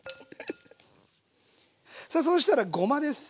さあそしたらごまです。